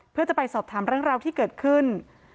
เพื่อจะไปสอบถามเรื่องราวที่เกิดขึ้น